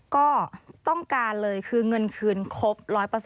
ก็ต้องการเลยคือเงินคืนครบ๑๐๐